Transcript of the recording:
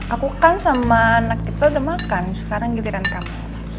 aku kan sama anak kita udah makan sekarang giliran kamu